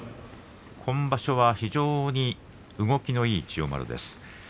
今場所は非常に動きのいい千代丸です。